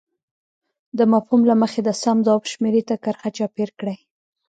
د مفهوم له مخې د سم ځواب شمیرې ته کرښه چاپېر کړئ.